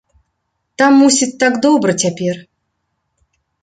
Там, мусіць, так добра цяпер!